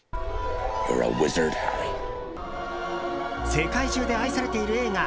世界中で愛されている映画